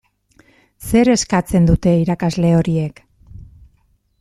Zer eskatzen dute irakasle horiek?